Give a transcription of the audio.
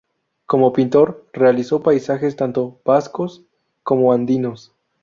Como pintor, realizó paisajes tanto vascos como andinos.